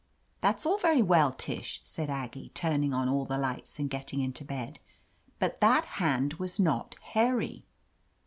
"That's all very well, Tish," said Aggie, turning on all the lights and getting into bed, "but that hand was not hairy."